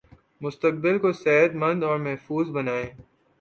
مستقبل کو صحت مند اور محفوظ بنائیں